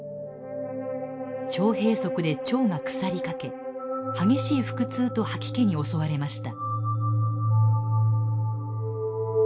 腸閉塞で腸が腐りかけ激しい腹痛と吐き気に襲われました。